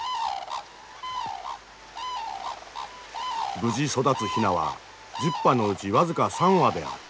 無事育つヒナは１０羽のうち僅か３羽である。